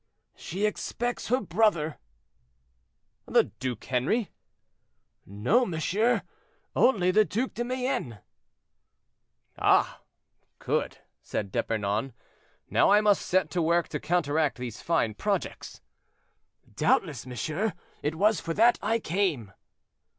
"She expects her brother." "The Duke Henri?" "No, monsieur; only the Duc de Mayenne." "Ah! good," said d'Epernon; "now I must set to work to counteract these fine projects." "Doubtless, monsieur; it was for that I came."